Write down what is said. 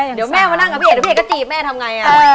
เดี๋ยวแม่มานั่งกับพี่เอกก็จีบแม่ทำไร